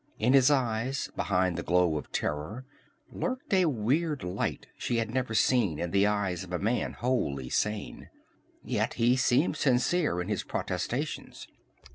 In his eyes, behind the glow of terror, lurked a weird light she had never seen in the eyes of a man wholly sane. Yet he seemed sincere in his protestations.